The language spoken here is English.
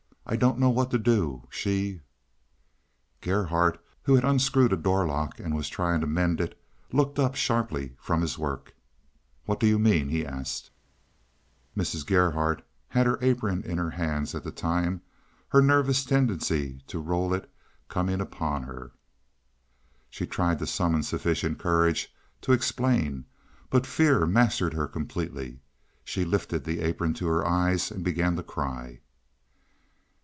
I don't know what to do. She—" Gerhardt, who had unscrewed a door lock and was trying to mend it, looked up sharply from his work. "What do you mean?" he asked. Mrs. Gerhardt had her apron in her hands at the time, her nervous tendency to roll it coming upon her. She tried to summon sufficient courage to explain, but fear mastered her completely; she lifted the apron to her eyes and began to cry.